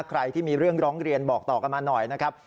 ใครที่มีเรื่องร้องเรียนบอกต่อกันมาหน่อยนะครับ